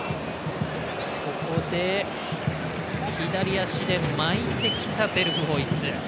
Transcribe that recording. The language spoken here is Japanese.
ここで左足で巻いてきたベルフホイス。